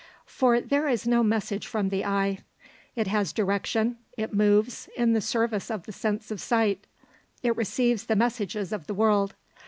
For there is no message from the eye. It has direction, it moves, in the service of the sense of sight; it receives the messages of the world.